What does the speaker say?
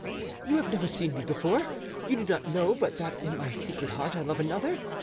You have never seen me before: you do not know but that in my secret heart I love another.